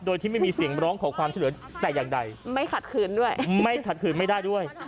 โดยที่ไม่มีเสียงร้องขอความช่วยเหลือแต่อย่างใดไม่ขัดขืนด้วยไม่ขัดขืนไม่ได้ด้วย